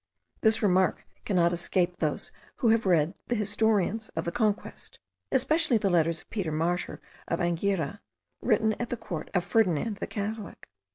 This remark cannot escape those who read the historians of the Conquest, especially the letters of Peter Martyr of Anghiera, written at the court of Ferdinand the Catholic.